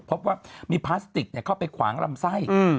พบว่ามีพลาสติกเนี้ยเข้าไปขวางรำไส้อืม